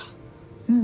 うん。